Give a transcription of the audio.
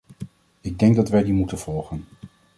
Ik denk dat wij die moeten volgen.